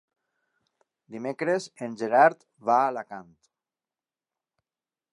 Dimecres en Gerard va a Alacant.